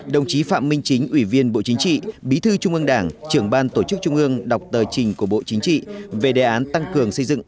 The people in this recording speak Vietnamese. đồng chí phạm minh chính ủy viên bộ chính trị bí thư trung ương đảng trưởng ban tổ chức trung ương đọc tờ trình của bộ chính trị về đề án tăng cường xây dựng